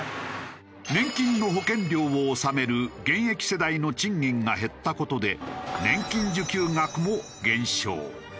年金の保険料を納める現役世代の賃金が減った事で年金受給額も減少。